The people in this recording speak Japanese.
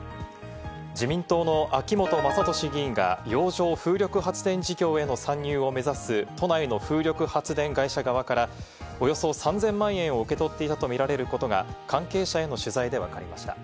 自民党の秋本真利議員が洋上風力発電事業への参入を目指す都内の風力発電会社側からおよそ３０００万円を受け取っていたとみられることが関係者への取材でわかりました。